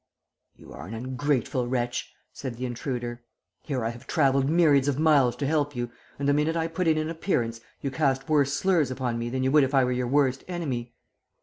"'You are an ungrateful wretch,' said the intruder. 'Here I have travelled myriads of miles to help you, and the minute I put in an appearance you cast worse slurs upon me than you would if I were your worst enemy.'